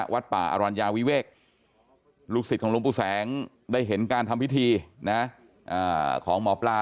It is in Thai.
วัดป่าอรัญญาวิเวกลูกศิษย์ของหลวงปู่แสงได้เห็นการทำพิธีของหมอปลา